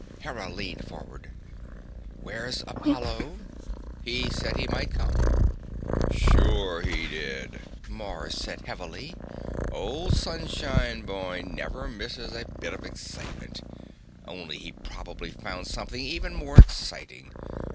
Hera leaned forward. "Where's Apollo? He said he might come." "Sure he did," Mars said heavily. "Old Sunshine Boy never misses a bit of excitement. Only he probably found something even more exciting.